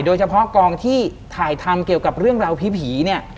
โดยเฉพาะกองที่ถ่ายทำเกี่ยวกับเรื่องราวผีเนี่ย